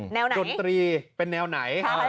แนวไหนดนตรีเป็นแนวไหน